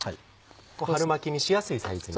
春巻きにしやすいサイズに。